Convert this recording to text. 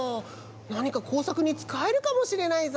なにか工作につかえるかもしれないぞ。